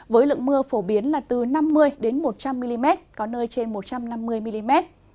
với lượng mưa phổ biến là từ năm mươi một trăm linh mm có nơi trên một trăm năm mươi mm